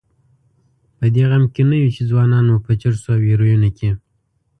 په دې غم کې نه یو چې ځوانان مو په چرسو او هیرویینو کې.